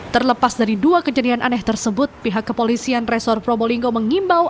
terlepas dari dua kejadian aneh tersebut pihak kepolisian resor probolinggo mengimbau